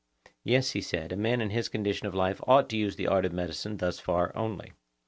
Yes, he said, and a man in his condition of life ought to use the art of medicine thus far only.